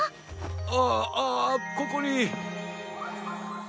あああここに。